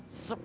sup sup sup